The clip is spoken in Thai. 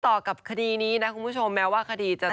ต่อกับคดีนี้นะคุณผู้ชมแม้ว่าคดีจะ